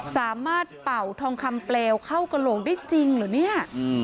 เป่าทองคำเปลวเข้ากระโหลกได้จริงเหรอเนี่ย